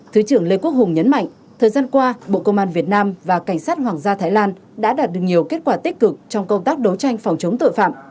thứ trưởng lê quốc hùng nhấn mạnh thời gian qua bộ công an việt nam và cảnh sát hoàng gia thái lan đã đạt được nhiều kết quả tích cực trong công tác đấu tranh phòng chống tội phạm